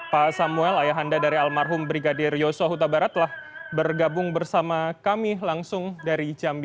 pak samuel ayah anda dari almarhum brigadir yosua huta barat telah bergabung bersama kami langsung dari jambi